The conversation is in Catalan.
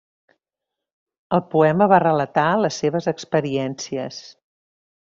Al poema va relatar les seves experiències.